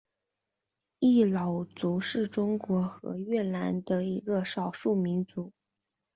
仡佬族是中国和越南的一个少数民族。